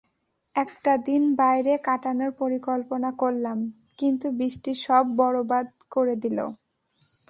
একটা দিন বাইরে কাটানোর পরিকল্পনা করলাম, কিন্তু বৃষ্টি সব বরবাদ করে দিল।